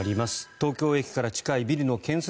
東京駅から近いビルの建設